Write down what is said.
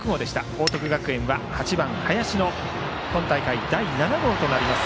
報徳学園は８番、林の今大会第７号となります